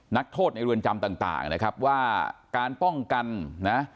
นักโทษในเรือนจำต่างนะครับว่าการป้องกันนะ